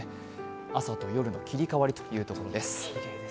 朝と夜の切り替わりというところです。